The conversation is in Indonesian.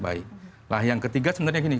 baik nah yang ketiga sebenarnya gini